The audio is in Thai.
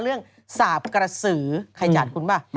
เรื่องสาปกระสือใครจัดคุณป่ะ